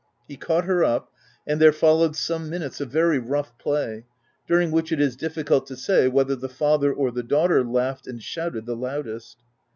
He caught her up, and there followed some minutes of very rough play, during which it is difficult to say whether the father or the daughter laughed and shouted the loudest.